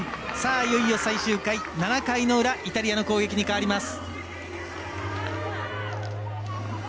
いよいよ最終回、７回の裏イタリアの攻撃に変わります。